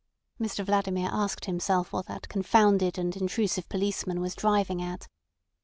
Mr Vladimir asked himself what that confounded and intrusive policeman was driving at.